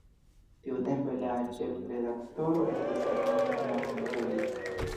Tiutempe la ĉefredaktoro estis Ernesto Nathan Rogers.